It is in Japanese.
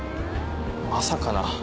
まさかな。